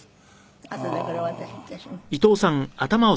あとでこれお渡し致します。